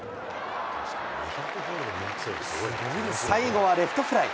最後はレフトフライ。